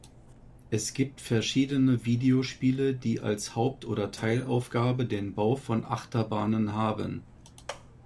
Es gibt verschiedene Videospiele, die als Haupt- oder Teilaufgabe den Bau von Achterbahnen haben.